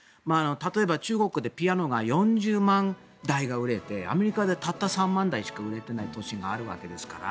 例えば中国でピアノが４０万台売れてアメリカでたった３万台しか売れてない年があるわけですから。